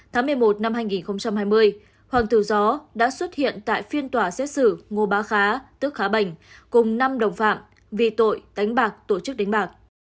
tháng một mươi một năm hai nghìn hai mươi hoàng tử gió đã xuất hiện tại phiên tòa xét xử ngô bá khá tức khá bành cùng năm đồng phạm vì tội đánh bạc tổ chức đánh bạc